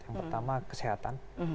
yang pertama kesehatan